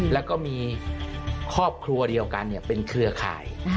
แล้วก็มีครอบครัวเดียวกันเป็นเครือข่าย